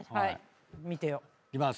いきます。